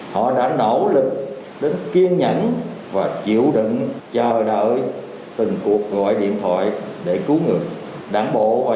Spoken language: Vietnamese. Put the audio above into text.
họ đã nỗ lực đến kiên nhẫn và chịu đựng chờ đợi từng cuộc gọi điện thoại để cứu người đảng bộ